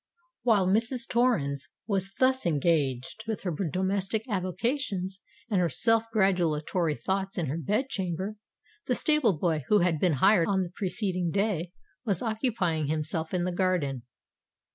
While Mrs. Torrens was thus engaged with her domestic avocations and her self gratulatory thoughts in her bed chamber, the stable boy, who had been hired on the preceding day, was occupying himself in the garden.